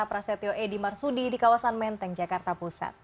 prasetyo edy marsudi di kawasan menteng jakarta pusat